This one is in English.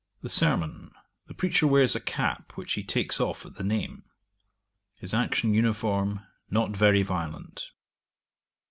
The sermon; the preacher wears a cap, which he takes off at the name: his action uniform, not very violent.